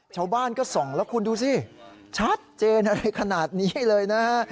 ชาวบ้านก็ส่องแล้วคุณดูสิชัดเจนอะไรขนาดนี้เลยนะฮะ